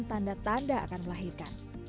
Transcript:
tanda tanda akan melahirkan